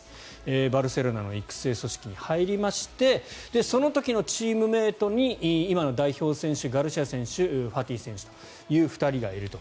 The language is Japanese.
バルセロナの育成組織に入りましてその時のチームメートに今の代表選手ガルシア選手ファティ選手という２人がいると。